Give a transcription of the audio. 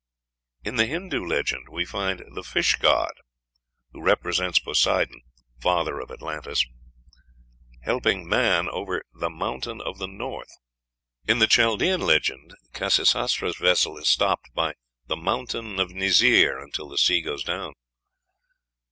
In the Hindoo legend we find the fish god, who represents Poseidon, father of Atlantis, helping Mann over "the Mountain of the North." In the Chaldean legend Khasisatra's vessel is stopped by "the Mountain of Nizir" until the sea goes down.